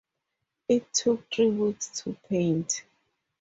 It took three weeks to paint.